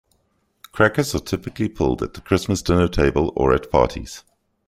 Crackers are typically pulled at the Christmas dinner table or at parties.